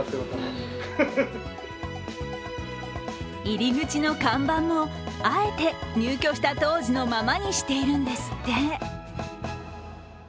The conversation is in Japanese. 入り口の看板もあえて入居した当時のままにしているんですって。